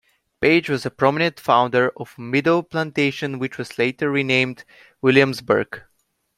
Page was a prominent founder of Middle Plantation, which was later renamed Williamsburg.